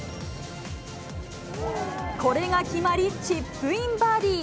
これが決まり、チップインバーディー。